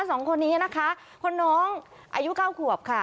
สองคนนี้นะคะคนน้องอายุเก้าขวบค่ะ